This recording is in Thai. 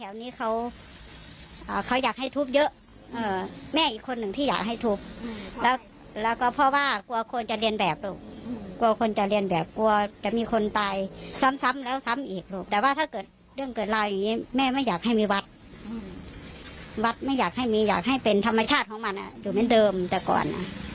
วัดไม่อยากให้มีอยากให้เป็นธรรมชาติของมันอยู่เหมือนเดิมแต่ก่อน